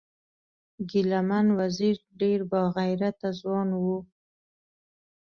ګلمن وزیر ډیر با غیرته ځوان و